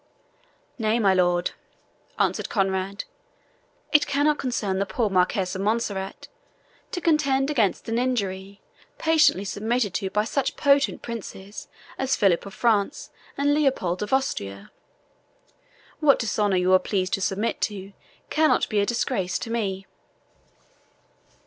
"Nay, my lord," answered Conrade, "it cannot concern the poor Marquis of Montserrat to contend against an injury patiently submitted to by such potent princes as Philip of France and Leopold of Austria. What dishonour you are pleased to submit to cannot be a disgrace to me."